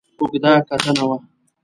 اوږده کتنه وه.